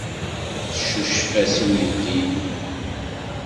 Teccucef-as i uydi-nnem.